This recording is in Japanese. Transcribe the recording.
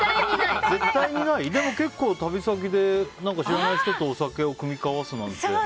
でも結構旅先で知らない人とお酒を酌み交わすなんて。